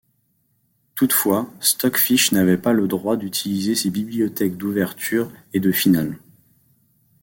Toutefois, Stockfish n'avait pas le droit d'utiliser ses bibliothèques d'ouvertures et de finales.